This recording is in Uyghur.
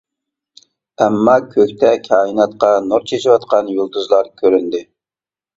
ئەمما كۆكتە كائىناتقا نۇر چىچىۋاتقان يۇلتۇزلار كۆرۈندى.